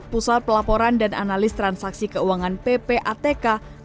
pusat pelaporan dan analis transaksi keuangan ppatk